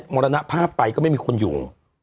มดนะภาพไปก็ไม่มีคนอยู่อ๋อ